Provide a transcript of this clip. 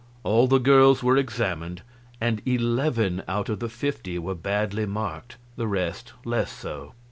All the girls were examined, and eleven out of the fifty were badly marked, the rest less so.